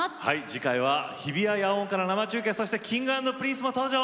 次回は日比谷野音から生中継そしてＫｉｎｇ＆Ｐｒｉｎｃｅも登場！